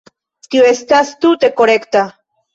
Tio estas tute korekta.